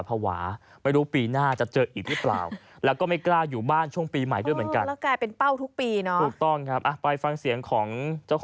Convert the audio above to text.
เป็นคนนะคะเพราะหลายมันจะอยู่กันในห้องเฉพาะส่วนใหญ่ค่ะ